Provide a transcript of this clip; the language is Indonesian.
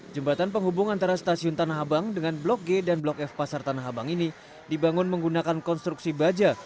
jembatan penghubung antara stasiun tanah abang dengan blok g dan blok f pasar tanah abang ini dibangun menggunakan konstruksi baja